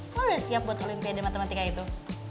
wah udah siap buat olimpiade matematika itu